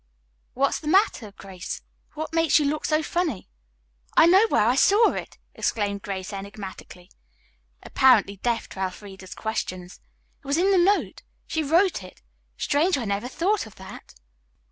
What's the matter, Grace? What makes you look so funny?" "I know where I saw it!" exclaimed Grace enigmatically, apparently deaf to Elfreda's questions. "It was in the note. She wrote it. Strange I never thought of that."